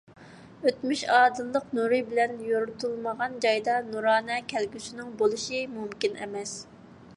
ئۆتمۈش ئادىللىق نۇرى بىلەن يورۇتۇلمىغان جايدا نۇرانە كەلگۈسىنىڭ بولۇشى مۇمكىن ئەمەس.